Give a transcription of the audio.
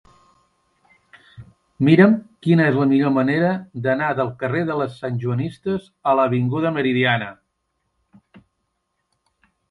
Mira'm quina és la millor manera d'anar del carrer de les Santjoanistes a l'avinguda Meridiana.